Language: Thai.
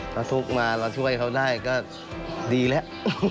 ถ้าทุกข์มาเราช่วยเขาได้ก็ดีแล้ว